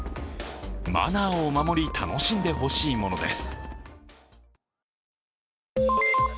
マナーを守り楽しんでほしいものです。